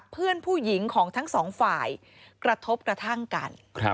เพื่อนผู้หญิงของทั้งสองฝ่ายกระทบกระทั่งกัน